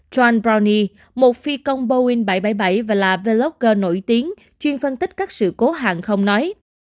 john browney một phi công boeing bảy trăm bảy mươi bảy và là vlogger nổi tiếng chuyên phân tích các sự cố hàng không nói